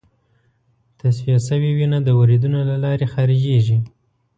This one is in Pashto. تصفیه شوې وینه د وریدونو له لارې خارجېږي.